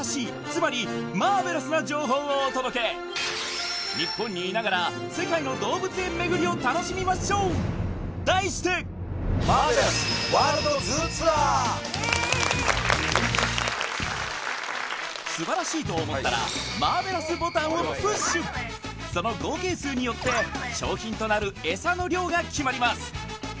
つまりマーベラスな情報をお届けを楽しみましょう題してイエーイ素晴らしいと思ったらマーベラスボタンをプッシュその合計数によって賞品となるエサの量が決まります